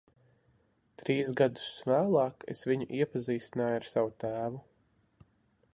Trīs gadus vēlāk es viņu iepazīstināju ar savu tēvu.